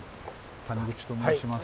谷口と申します。